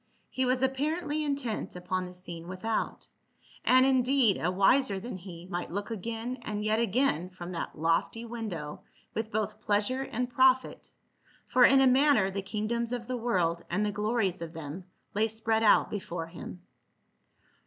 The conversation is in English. He was apparently intent upon the scene without, and indeed a wiser than he might look again and yet again from that lofty window with both plea sure and profit, for in a manner the kingdoms of the world and the glories of them lay spread out before him.